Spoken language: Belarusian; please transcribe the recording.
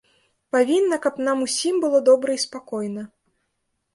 Павінна, каб нам усім было добра і спакойна.